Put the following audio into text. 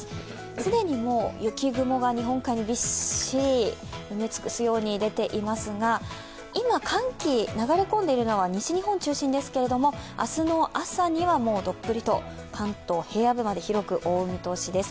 既に雪雲が日本海にびっしり埋め尽くすように出ていますが、今、寒気、流れ込んでいるのは西日本中心ですけど明日の朝にはどっぷりと関東平野部まで広く覆う見通しです。